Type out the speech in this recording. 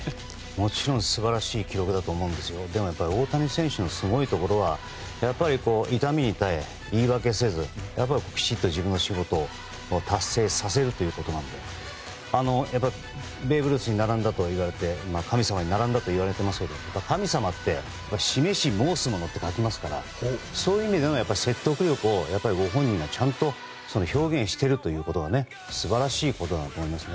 もちろん素晴らしい記録だと思うんですけどでも、やっぱり大谷選手のすごいところはやっぱり、痛みに耐え言い訳せずきちっと自分の仕事を達成させるということなのでベーブ・ルース、神様に並んだといわれていますが神様って、示し申すものって書きますからそういう意味での説得力をご本人がちゃんと表現しているということは素晴らしいことだと思います。